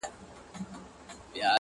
سپکاوی تر اندازې تېر سو د مړو،